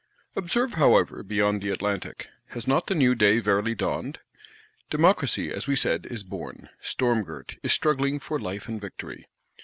Observe, however, beyond the Atlantic, has not the new day verily dawned! Democracy, as we said, is born; storm girt, is struggling for life and victory.